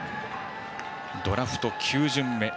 ドラフト９巡目。